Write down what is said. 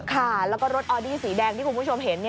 ค่ะแล้วก็รถออดี้สีแดงที่คุณผู้ชมเห็น